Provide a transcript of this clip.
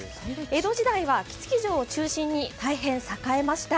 江戸時代は杵築城を中心に大変栄えました。